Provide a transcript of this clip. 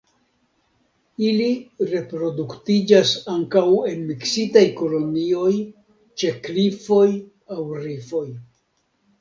Ili reproduktiĝas ankaŭ en miksitaj kolonioj ĉe klifoj aŭ rifoj.